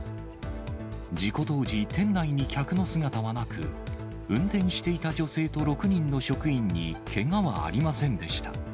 事故当時、店内に客の姿はなく、運転していた女性と６人の職員にけがはありませんでした。